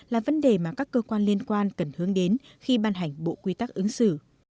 là vấn đề mà các cơ quan liên quan cần hướng đến khi ban hành bộ quy tắc ứng xử